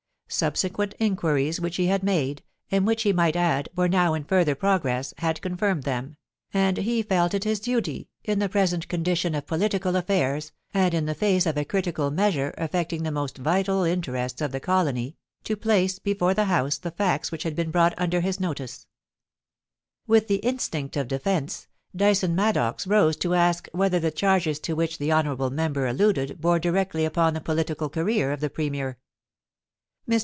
Subsequent inquiries which he had made, and which, he might add, were now in further pro gress, had confirmed them, and he felt it his duty, in the present condition of political affairs, and in the face of a critical measure affecting the most vital interests of the colony, to place before the House the facts which had been brought under his notice. THE IMPEACHMENT OF THE PREMIER. 403 With the instinct of defence, Dyson Maddox rose to ask whether the charges to which the honourable member alluded bore directly upon the political career of the Premier. Mr.